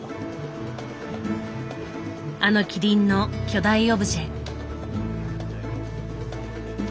あの麒麟の巨大オブジェ。